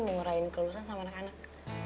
dengerin kelulusan sama anak anak